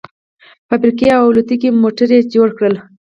فابريکې او الوتکې او موټر يې جوړ کړل.